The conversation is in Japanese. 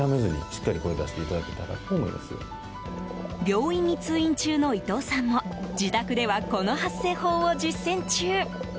病院に通院中の伊藤さんも自宅ではこの発声法を実践中。